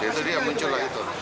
itu dia yang muncullah itu